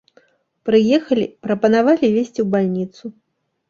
Прыехалі, прапанавалі везці ў бальніцу.